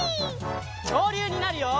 きょうりゅうになるよ！